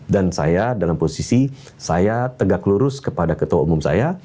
dan saya dalam posisi saya tegak lurus kepada ketua umum saya